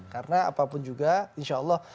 karena apapun juga insya allah